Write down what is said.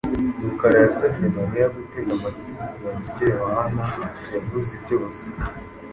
Rukara yasabye Mariya gutega amatwi yitonze ibyo Yohana yavuze byose.